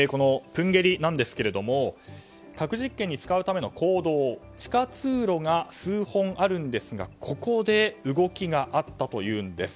プンゲリなんですが核実験に使うための坑道地下通路が数本あるんですが、ここで動きがあったというんです。